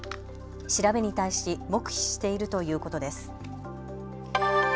調べに対し黙秘しているということです。